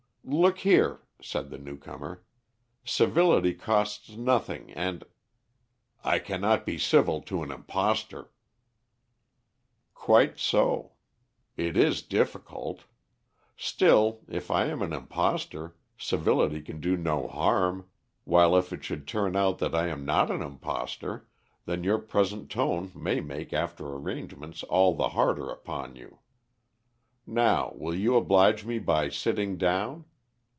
"Look here," said the new comer. "Civility costs nothing and " "I cannot be civil to an impostor." "Quite so. It is difficult. Still, if I am an impostor, civility can do no harm, while if it should turn out that I am not an impostor, then your present tone may make after arrangements all the harder upon you. Now will you oblige me by sitting down?